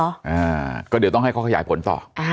อ่าก็เดี๋ยวต้องให้เขาขยายผลต่ออ่า